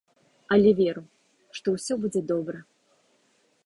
Але веру, што ўсё будзе добра.